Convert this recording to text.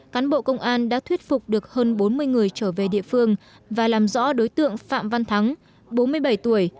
cán bộ công an đã thuyết phục được hơn bốn mươi người trở về địa phương và làm rõ đối tượng phạm văn thắng bốn mươi bảy tuổi